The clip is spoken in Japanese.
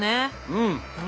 うん。